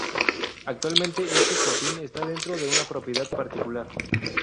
Actualmente este fortín está dentro de una propiedad particular.